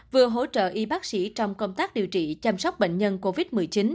vừa hỗ trợ y bác sĩ trong công tác điều trị chăm sóc bệnh nhân covid một mươi chín